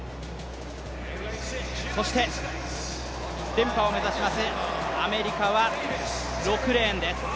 連覇を目指しますアメリカは６レーンです。